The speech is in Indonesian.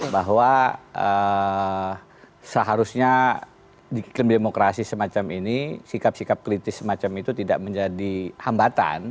bahwa seharusnya di klim demokrasi semacam ini sikap sikap kritis semacam itu tidak menjadi hambatan